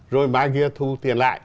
rồi mai kia thu tiền lại